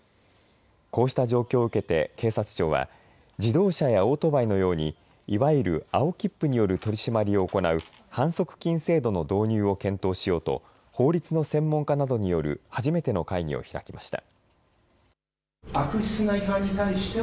こうした状況を受けて警察庁は自動車やオートバイのようにいわゆる青切符による取締りを行う反則金制度の導入を検討しようと法律の専門家などによる初めての会議を開きました。